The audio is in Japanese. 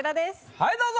はいどうぞ！